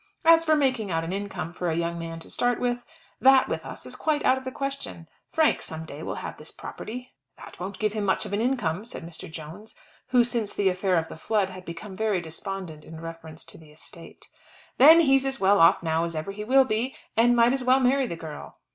As for making out an income for a young man to start with, that with us is quite out of the question. Frank some day will have this property." "That won't give him much of an income," said Mr. Jones, who since the affair of the flood had become very despondent in reference to the estate. "Then he's as well off now as ever he will be, and might as well marry the girl."